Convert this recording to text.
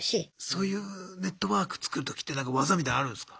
そういうネットワーク作るときってなんか技みたいのあるんすか？